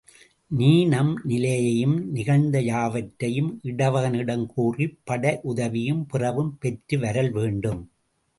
நீ நம் நிலையையும் நிகழ்ந்த யாவற்றையும் இடவகனிடம் கூறிப் படையுதவியும் பிறவும் பெற்று வரல் வேண்டும்.